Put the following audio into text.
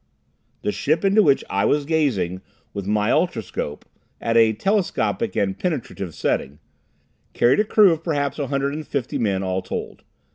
The ship into which I was gazing with my ultroscope (at a telescopic and penetrative setting), carried a crew of perhaps 150 men all told.